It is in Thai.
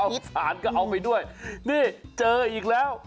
ฐานก็เอาไปด้วยนี่เจออีกแล้ว